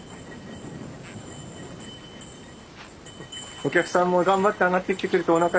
お客さんも頑張って上がってきてくれておなか減りますしね。